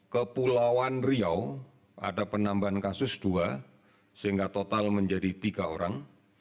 kepulauan riau ada penambahan kasus dua sehingga total menjadi tiga orang